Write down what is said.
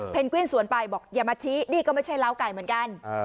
กวินสวนไปบอกอย่ามาชี้นี่ก็ไม่ใช่ล้าวไก่เหมือนกัน